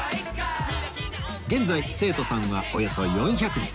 現在生徒さんはおよそ４００人